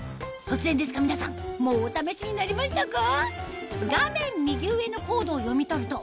突然ですが皆さんもうお試しになりましたか？